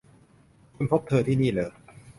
คุณพบเธอที่นี่หรือ